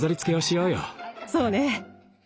そうね。